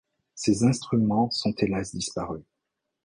Ces instruments sont hélas disparus.